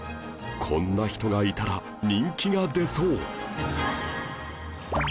こんな人がいたら人気が出そう